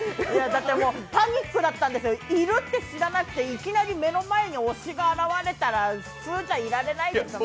だってもうパニックだったんですよ、いるって知らなくていきなり目の前に推しが現れたら普通じゃいられないでしょ。